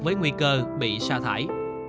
với nguy cơ bị xa thải